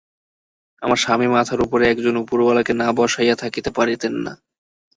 আমার স্বামী মাথার উপরে একজন উপরওয়ালাকে না বসাইয়া থাকিতে পারিতেন না।